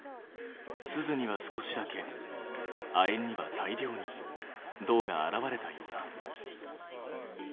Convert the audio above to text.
スズには少しだけ亜鉛には大量に銅が現れたようだ。